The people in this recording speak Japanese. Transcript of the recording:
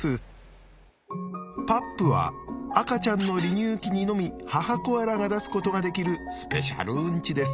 パップは赤ちゃんの離乳期にのみ母コアラが出すことができるスペシャルウンチです。